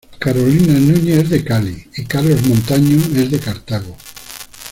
Carolina Núñez es de Cali y Carlos Montaño es de Cartago.